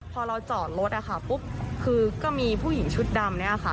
พอเราจอดรถนะคะปุ๊บคือก็มีผู้หญิงชุดดำเนี่ยค่ะ